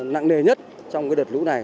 nặng nề nhất trong đợt lũ này